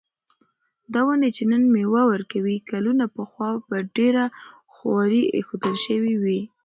دا ونې چې نن مېوه ورکوي، کلونه پخوا په ډېره خواري ایښودل شوې وې.